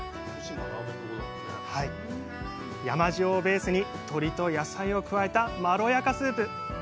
山塩をベースに鶏と野菜を加えたまろやかスープ。